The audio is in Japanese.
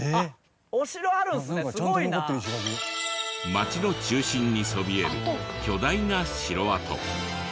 町の中心にそびえる巨大な城跡。